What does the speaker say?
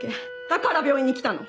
だから病院に来たの！